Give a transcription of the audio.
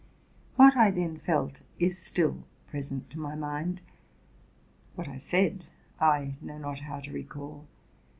'' What I then felt is still present to my mind: what I said I know not how to recall.